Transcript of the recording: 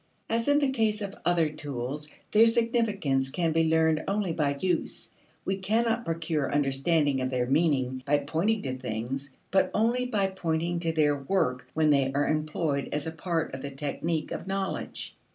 As in the case of other tools, their significance can be learned only by use. We cannot procure understanding of their meaning by pointing to things, but only by pointing to their work when they are employed as part of the technique of knowledge.